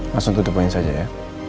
langsung tutup poin saja ya